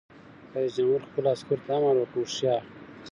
رئیس جمهور خپلو عسکرو ته امر وکړ؛ هوښیار!